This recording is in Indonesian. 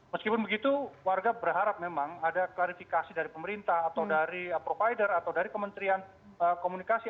meskipun begitu warga berharap memang ada klarifikasi dari pemerintah atau dari provider atau dari kementerian komunikasi